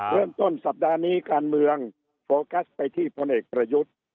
เริ่มต้นสัปดาห์นี้การเมืองโฟกัสไปที่พลเอกประยุทธ์